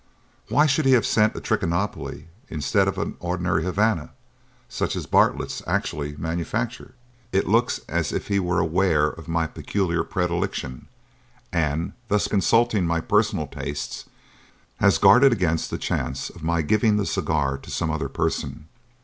Why should he have sent a Trichinopoly instead of an ordinary Havana such as Bartletts actually manufacture? It looks as if he were aware of my peculiar predilection, and, by thus consulting my personal tastes, had guarded against the chance of my giving the cigar to some other person.